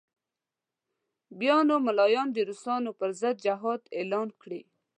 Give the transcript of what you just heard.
بیا به نو ملایان د روسانو پر ضد جهاد اعلان کړي.